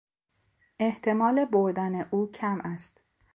احتمال بردن او کم است.